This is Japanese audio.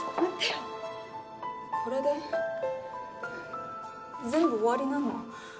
これで全部終わりなの？